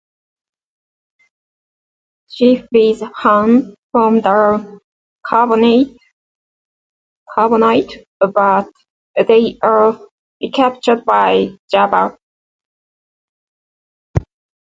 She frees Han from the carbonite, but they are recaptured by Jabba.